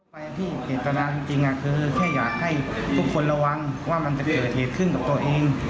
ไปที่เจตนาจริงคือแค่อยากให้ทุกคนระวังว่ามันจะเกิดเหตุขึ้นกับตัวเอง